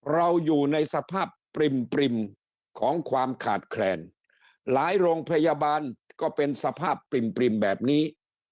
เราอยู่ในสภาพปริ่มของความขาดแคลนหลายโรงพยาบาลก็เป็นสภาพปริ่มแบบนี้